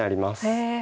へえ。